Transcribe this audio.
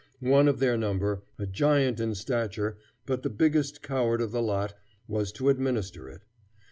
One of their number, a giant in stature, but the biggest coward of the lot, was to administer it.